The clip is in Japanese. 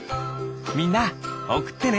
みんなおくってね！